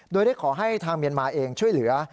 โดยได้ขอให้ทางเมียนมาเองช่วยเหลือ